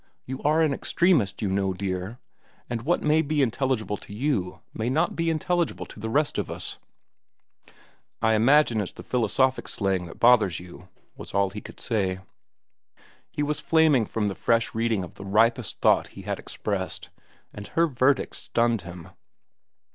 You are an extremist, you know, dear, and what may be intelligible to you may not be intelligible to the rest of us." "I imagine it's the philosophic slang that bothers you," was all he could say. He was flaming from the fresh reading of the ripest thought he had expressed, and her verdict stunned him.